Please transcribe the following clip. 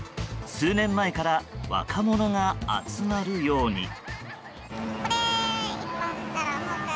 数年前から若者が集まるように。